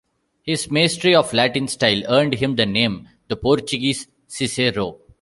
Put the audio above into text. His mastery of Latin style earned him the name "The Portuguese Cicero".